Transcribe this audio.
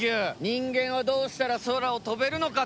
「人間はどうしたら空を飛べるのか」と。